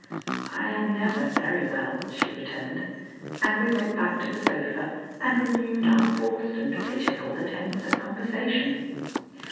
"I am never very well," she returned, and we went back to the sofa and renewed our forced and pitiful attempts at conversation.